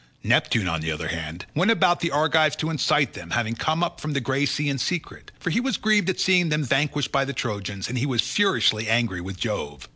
Neptune on the other hand went about among the Argives to incite them, having come up from the grey sea in secret, for he was grieved at seeing them vanquished by the Trojans, and was furiously angry with Jove.